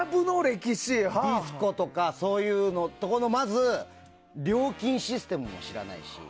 ディスコとか、そういうところのまず料金システムを知らないし。